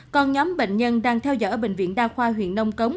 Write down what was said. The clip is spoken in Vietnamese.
còn nhóm bệnh nhân đang theo dõi ở bệnh viện đa khoa huyện nông cống